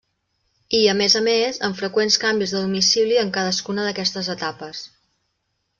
I, a més a més, amb freqüents canvis de domicili en cadascuna d'aquestes etapes.